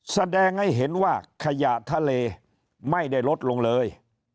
แสดงให้เห็นว่าขยะทะเลไม่ได้ลดลงเลย